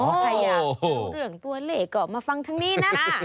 ใครอ่ะเหลืองตัวเหลกออกมาฟังทั้งนี้นะ